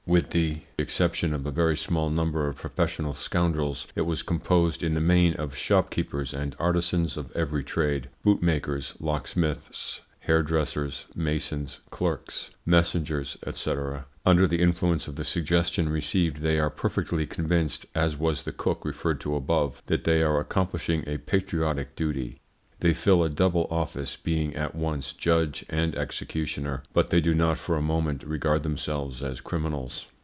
With the exception of a very small number of professional scoundrels, it was composed in the main of shopkeepers and artisans of every trade: bootmakers, locksmiths, hairdressers, masons, clerks, messengers, &c. Under the influence of the suggestion received they are perfectly convinced, as was the cook referred to above, that they are accomplishing a patriotic duty. They fill a double office, being at once judge and executioner, but they do not for a moment regard themselves as criminals.